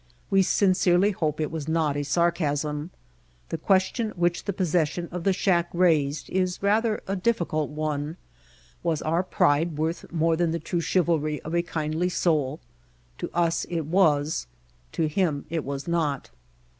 We sin cerely hope it was not a sarcasm. The question which the possession of the shack raised is rather a difficult one. Was our pride worth more than the true chivalry of a kindly soul? To us it was, to him it was not.